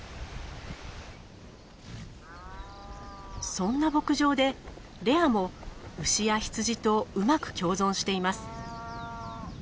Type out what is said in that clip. そんな牧場でレアも牛や羊とうまく共存しています。